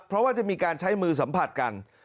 เพราะว่าจะมีการใช้มือสัมผัสกัน